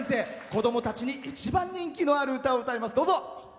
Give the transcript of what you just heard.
子どもたちに一番人気のある歌を歌います。